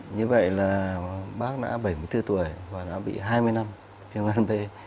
như vậy là bác đã bảy mươi bốn tuổi và đã bị hai mươi năm phiêu ngan b